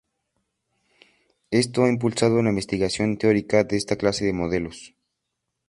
Esto ha impulsado la investigación teórica de esta clase de modelos.